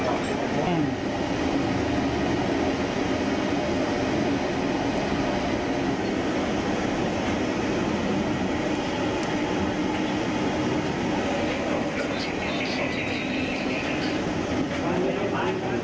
ครอบครัวไม่ได้อาฆาตแต่มองว่ามันช้าเกินไปแล้วที่จะมาแสดงความรู้สึกในตอนนี้